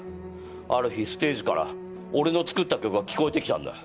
ある日ステージから俺の作った曲が聞こえてきたんだ。